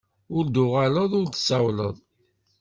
Ur d-tuɣaleḍ ur d-tsawleḍ.